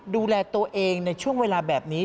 ดูแลตัวเองในช่วงเวลาแบบนี้